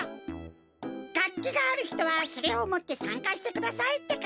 がっきがあるひとはそれをもってさんかしてくださいってか！